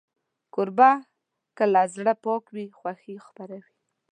کوربه که له زړه پاک وي، خوښي خپروي.